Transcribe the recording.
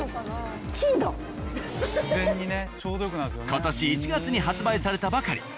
今年１月に発売されたばかり。